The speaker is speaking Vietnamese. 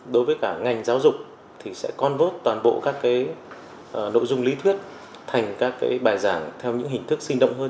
đối với cả ngành giáo dục thì sẽ con vớt toàn bộ các nội dung lý thuyết thành các bài giảng theo những hình thức sinh động hơn